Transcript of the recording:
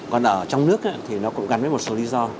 còn ở trong nước thì nó cũng gắn với một số lý do